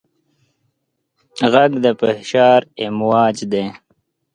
غږ د فشار امواج دي.